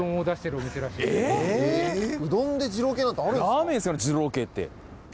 ラーメンっすから二郎系って。